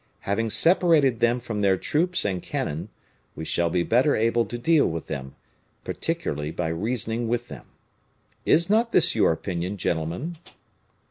Having separated them from their troops and cannon, we shall be better able to deal with them; particularly by reasoning with them. Is not this your opinion, gentlemen?"